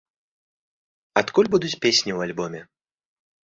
Адкуль будуць песні ў альбоме?